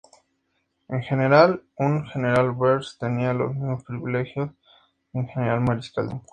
En general, un Generaloberst tenía los mismos privilegios que un general mariscal de campo.